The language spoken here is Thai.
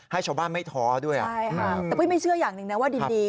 ชาวบ้านไม่ท้อด้วยอ่ะใช่ค่ะแต่ปุ้ยไม่เชื่ออย่างหนึ่งนะว่าดินดี